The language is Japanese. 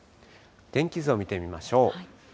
天気図を見てみましょう。